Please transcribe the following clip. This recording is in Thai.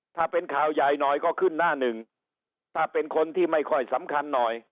ถ้าเป็นข่าวใหญ่หน่อยก็ขึ้นหน้าหนึ่งถ้าเป็นคนที่ไม่ค่อยสำคัญหน่อย